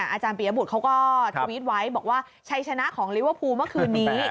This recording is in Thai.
อาจารย์ปียบุตรเขาก็ทวิตไว้บอกว่าชัยชนะของลิเวอร์พูลเมื่อคืนนี้